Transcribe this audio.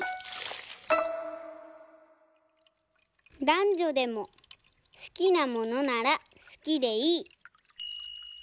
「だんじょでも好きなものなら好きでいい」。